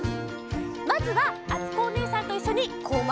まずはあつこおねえさんといっしょにこまったかお！